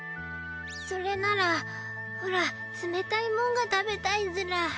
それならオラ冷たいもんが食べたいズラ。